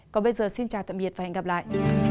còn bây giờ xin chào tạm biệt và hẹn gặp lại